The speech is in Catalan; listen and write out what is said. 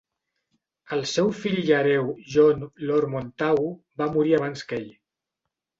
El seu fill i hereu, John, Lord Montagu, va morir abans que ell.